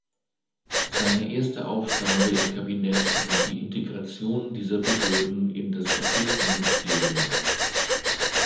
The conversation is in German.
Seine erste Aufgabe im Kabinett war die Integration dieser Behörden in das Verkehrsministerium.